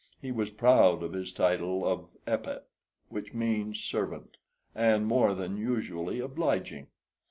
He was proud of his title of "Epet," which means servant, and more than usually obliging.